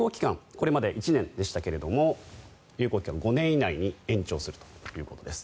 これまで１年でしたけども有効期限、５年以内に延長するということです。